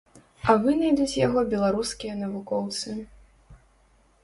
А вынайдуць яго беларускія навукоўцы.